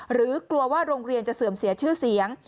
กลัวว่าโรงเรียนจะเสื่อมเสียชื่อเสียง